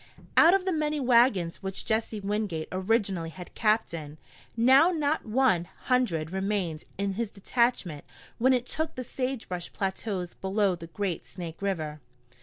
Out of the many wagons which Jesse Wingate originally had captained, now not one hundred remained in his detachment when it took the sagebrush plateaus below the great Snake River.